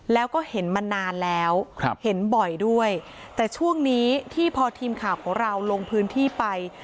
แล้วก็เห็นมานานแล้วครับเห็นบ่อยด้วยแต่ช่วงนี้ที่พอทีมข่าวของเราลงพื้นที่ไป